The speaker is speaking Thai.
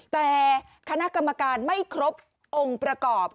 แต่คณะกรรมการไม่ครบองค์ประกอบ